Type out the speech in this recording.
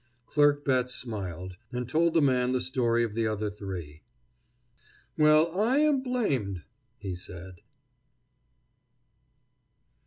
Clerk Betts smiled, and told the man the story of the other three. "Well, I am blamed," he said.